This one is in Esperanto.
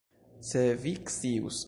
Se vi scius!